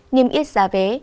nghiêm yết giá vé